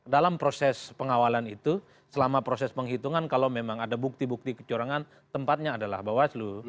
dalam proses pengawalan itu selama proses penghitungan kalau memang ada bukti bukti kecurangan tempatnya adalah bawaslu